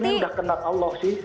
ini udah kena allah sih